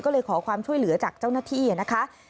ก็เลยขอความช่วยเหลือจากเจ้าหน้าที่นะคะ